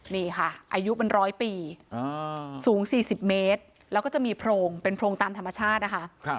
นี่ค่ะอายุเป็น๑๐๐ปีสูง๔๐เมตรแล้วก็จะมีโพรงเป็นโพรงตามธรรมชาตินะคะ